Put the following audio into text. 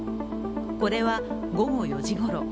これは午後４時ごろ。